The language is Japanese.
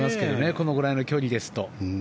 このぐらいの距離ですと。